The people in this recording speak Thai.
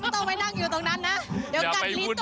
ต้องไปนั่งอยู่ตรงนั้นนะเดี๋ยวกันลิ้นต่อ